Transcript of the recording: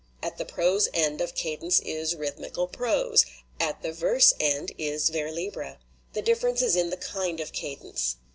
At the prose end of cadence is rhythmical prose; at the verse end is vers libre. The difference is in the kind of cadence.